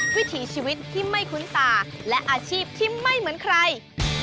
วิถีชีวิตที่ไม่คุ้นตาและอาชีพที่ไม่เหมือนใคร